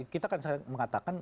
kita kan mengatakan